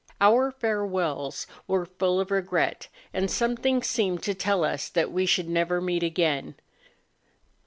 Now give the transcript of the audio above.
Our farewells were full of regret, and something seemed to tell us that we should never meet again.